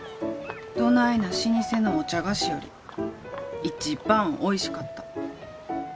どないな老舗のお茶菓子より一番おいしかった。